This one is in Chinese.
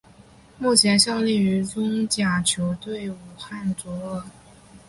目前效力于中甲球队武汉卓尔。